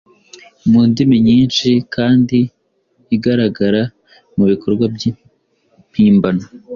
mu ndimi nyinshi kandi igaragara mubikorwa byimpimbano